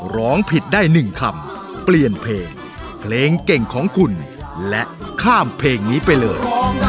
ร้องผิดได้๑คำเปลี่ยนเพลงเพลงเก่งของคุณและข้ามเพลงนี้ไปเลย